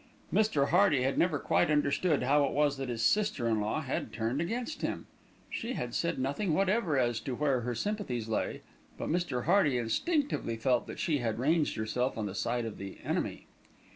Mr. Hearty had never quite understood how it was that his sister in law had turned against him. She had said nothing whatever as to where her sympathies lay; but Mr. Hearty instinctively felt that she had ranged herself on the side of the enemy.